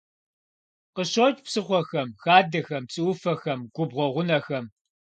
Къыщокӏ псыхъуэхэм, хадэхэм, псыӏуфэхэм, губгъуэ гъунэхэм.